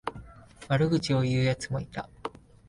悪口を言うやつもいた。